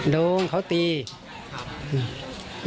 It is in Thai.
โดนเขาตีครับชีวิต